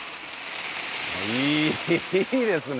いいですね！